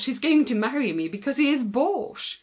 Baugé is going to marry me because he is Baugé.